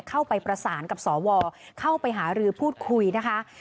เข้าไปประสานกับสวเข้าไปหารือพูดคุยนะคะ